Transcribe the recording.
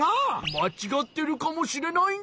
まちがってるかもしれないんじゃ！